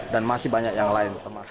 dan masih banyak yang lain